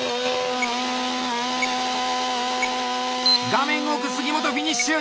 画面奥杉本フィニッシュ！